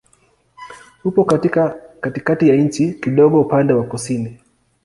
Upo katikati ya nchi, kidogo upande wa kusini.